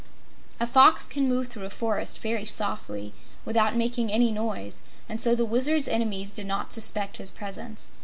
A Fox can move through a forest very softly, without making any noise, and so the Wizard's enemies did not suspect his presence.